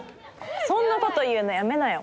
そんなこと言うのやめなよ。